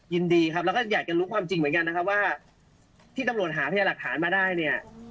ยินดีครับแล้วก็อยากจะรู้ความจริงเหมือนกันนะครับว่าที่ตำรวจหาพยาหลักฐานมาได้เนี่ย